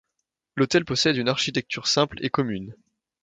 L'autel possède une architecture simple et commune.